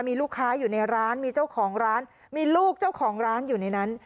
มีลูกค้าอยู่ในร้านมีเจ้าของร้านมีลูกเจ้าของร้านอยู่ในนั้น